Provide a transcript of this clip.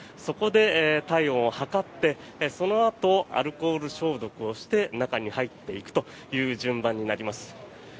そこで体温を測ってそのあとアルコール消毒をして中に入っていくという順番になります。